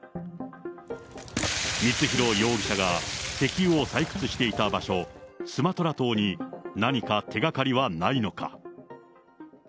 光弘容疑者が石油を採掘していた場所、スマトラ島に何か手がかりはないのか。